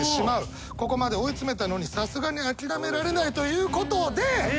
ここまで追い詰めたのにさすがに諦められないということで。